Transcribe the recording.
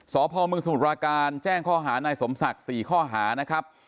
สพมสมุทรปราการแจ้งข้อหานายสมศักดิ์๔ข้อหานะครับ